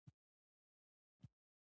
د بولان پټي د افغانستان د اقتصاد برخه ده.